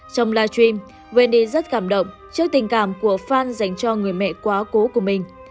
trong livestream wendy rất cảm động trước tình cảm của fan dành cho người mẹ quá cố của mình